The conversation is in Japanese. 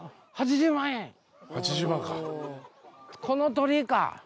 この鳥居か。